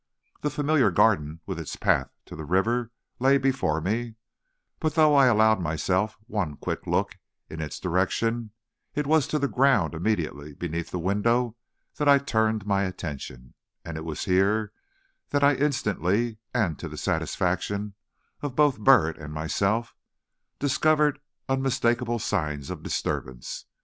The familiar garden, with its path to the river, lay before me; but though I allowed myself one quick look in its direction, it was to the ground immediately beneath the window that I turned my attention, and it was here that I instantly, and to the satisfaction of both Burritt and myself, discovered unmistakable signs of disturbance.